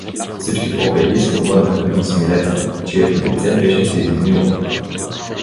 Всички погледи се обърнаха към Смилеца, чието лице беше се изменило.